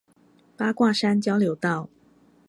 八卦山交流道